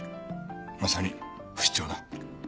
まさに不死鳥だ。